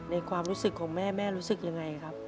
ความรู้สึกของแม่แม่รู้สึกยังไงครับ